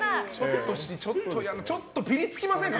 ちょっと、ぴりつきませんか？